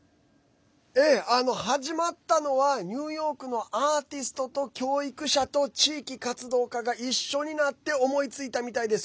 始まったのはニューヨークのアーティストと教育者と地域活動家が一緒になって思いついたみたいです。